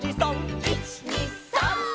「１２３」